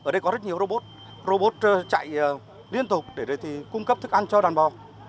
ở đây có rất nhiều robot robot chạy liên tục để cung cấp thức ăn cho đàn bò